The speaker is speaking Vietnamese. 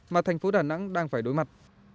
mà tp đà nẵng đang phải đối mặt